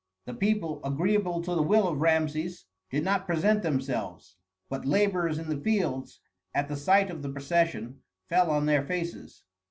The people, agreeable to the will of Rameses, did not present themselves, but laborers in the fields, at sight of the procession, fell on their faces.